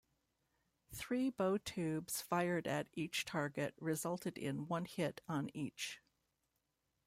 Three bow tubes fired at each target resulted in one hit on each.